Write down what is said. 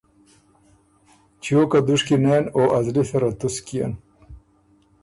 چیو که دُشکی نېن او ا زلی سره تُسک کيېن